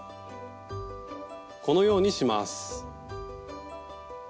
このようにします。